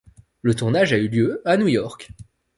Le tournage a eu lieu à New York.